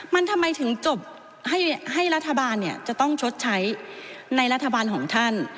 มันทำไมถึงจบให้รัฐบาลจะต้องชดใช้ในรัฐบาลของท่าน